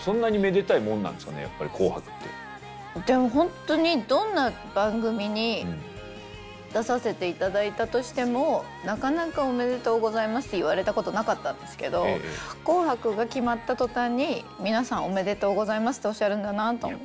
でもほんとにどんな番組に出させていただいたとしてもなかなか「おめでとうございます」って言われたことなかったんですけど「紅白」が決まった途端に皆さん「おめでとうございます」っておっしゃるんだなと思って。